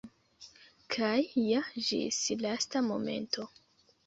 Kaj ja ĝis lasta momento!